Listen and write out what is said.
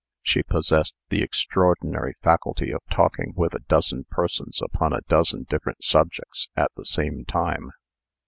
She possessed the extraordinary faculty of talking with a dozen persons upon a dozen different subjects at the same time.